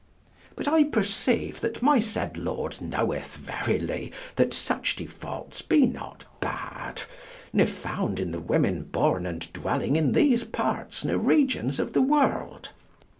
But I perceive that my said Lord knoweth verily that such defaults be not had ne found in the women born and dwelling in these parts ne regions of the world.